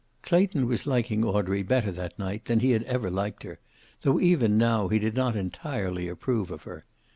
Clayton was liking Audrey better that night than he had ever liked her, though even now he did not entirely approve of her.